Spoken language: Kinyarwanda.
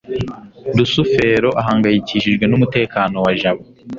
rusufero ahangayikishijwe n'umutekano wa jabo